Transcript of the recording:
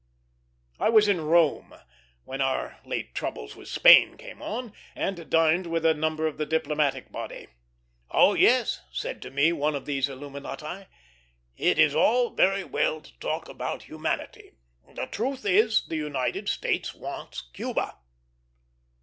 I was in Rome when our late troubles with Spain came on, and dined with a number of the diplomatic body. "Oh yes," said to me one of these illuminati, "it is all very well to talk about humanity. The truth is, the United States wants Cuba."